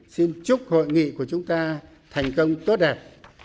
xin chúc hội nghị của chúng ta thành công tốt đẹp